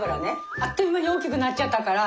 あっという間に大きくなっちゃったから。